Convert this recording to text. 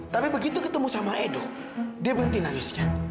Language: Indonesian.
tapi begitu ketemu sama edo dia berhenti nangisnya